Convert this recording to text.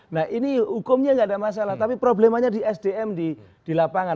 nah ini hukumnya tidak ada masalah tapi problemanya di sdm di lapangan